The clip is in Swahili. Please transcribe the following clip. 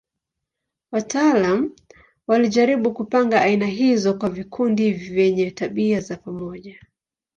Wataalamu walijaribu kupanga aina hizo kwa vikundi vyenye tabia za pamoja.